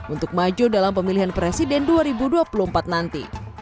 untuk maju dalam pemilihan presiden dua ribu dua puluh empat nanti